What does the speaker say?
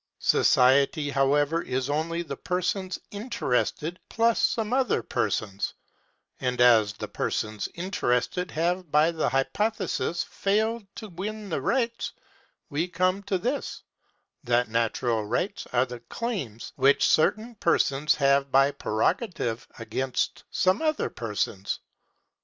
Society, however, is only the persons interested plus some other persons; and as the persons interested have by the hypothesis failed to win the rights, we come to this, that natural rights are the claims which certain persons have by prerogative against some other persons.